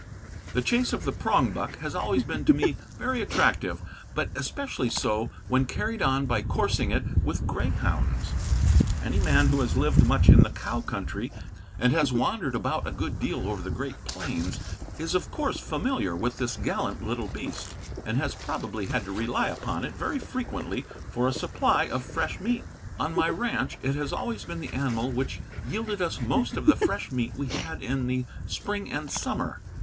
The chase of the prongbuck has always been to me very attractive, but especially so when carried on by coursing it with greyhounds. Any man who has lived much in the cow country, and has wandered about a good deal over the great plains, is of course familiar with this gallant little beast, and has probably had to rely upon it very frequently for a supply of fresh meat. On my ranch it has always been the animal which yielded us most of the fresh meat we had in the spring and summer.